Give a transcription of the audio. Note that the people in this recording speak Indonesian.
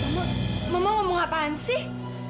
mama mama mau apaan sih